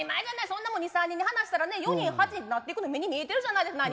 そんなもん２３人に話したらね４人８人なってくの目に見えてるじゃないですか。